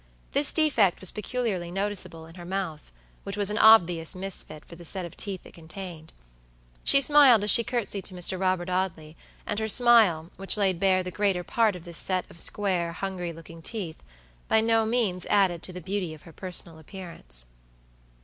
This defect was peculiarly noticeable in her mouth, which was an obvious misfit for the set of teeth it contained. She smiled as she courtesied to Mr. Robert Audley, and her smile, which laid bare the greater part of this set of square, hungry looking teeth, by no means added to the beauty of her personal appearance.